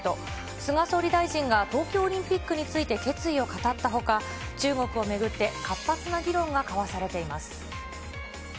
菅総理大臣が東京オリンピックについて決意を語ったほか、中国を巡って活発な議論が交わされています。